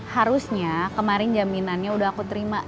harusnya kemarin jaminannya udah aku terima